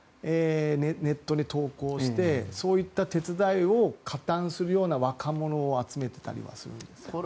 ネットに投稿して手伝いを加担するような若者を集めてたりするんですよね。